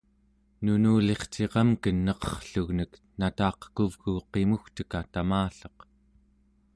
nunulirciqamken neqerrlugnek nataqekuvgu qimugteka tamalleq